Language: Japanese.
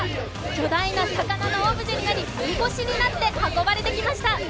巨大な魚のオブジェになり、みこしになって運ばれてきました。